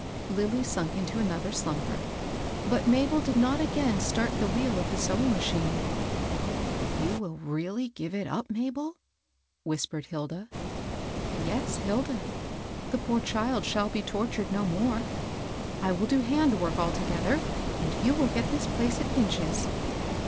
Lilly sunk into another slumber. But Mabel did not again start the wheel of the sewing machine. " You will really give it up, Mabel ?" whispered Hilda. " Yes, Hilda ; the poor child shall be tortured no more. I will do hand work altogether, and you will get this place at Pinch's."